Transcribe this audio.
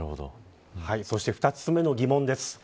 そして２つ目の疑問です。